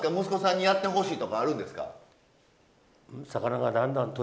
息子さんにやってほしいとかあるんですか？